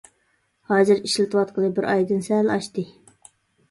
ھازىر ئىشلىتىۋاتقىلى بىر ئايدىن سەل ئاشتى.